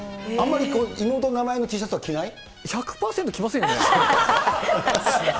あんまり妹の名前のＴシャツ１００％着ませんよね。